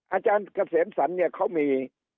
อาจารย์เกษมสรรเนี่ยเขามี